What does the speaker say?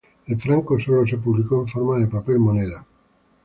El franco solo se publicó en forma de papel moneda.